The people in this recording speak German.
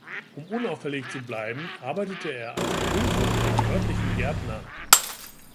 Um unauffällig zu bleiben, arbeitet er als Gehilfe beim örtlichen Gärtner.